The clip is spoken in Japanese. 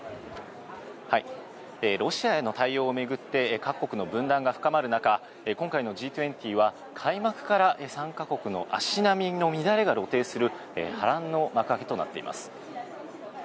ロシアへの対応をめぐって各国の分断が深まる中、今回のＧ２０は開幕から参加国の足並みの乱れが露呈する波乱の幕開けとなっています。